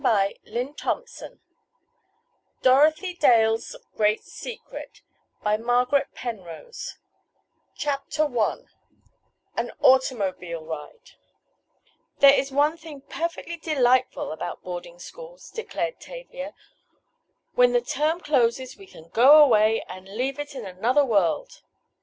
The Secret—Conclusion 231 DOROTHY DALE'S GREAT SECRET CHAPTER I AN AUTOMOBILE RIDE "There is one thing perfectly delightful about boarding schools," declared Tavia, "when the term closes we can go away, and leave it in another world.